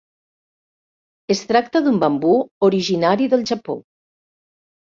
Es tracta d'un bambú originari del Japó.